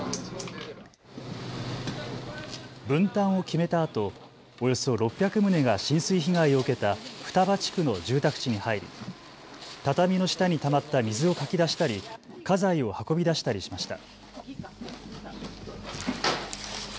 分担を決めたあとおよそ６００棟が浸水被害を受けた双葉地区の住宅地に入り畳の下にたまった水をかき出したり家財を運び出したりしました。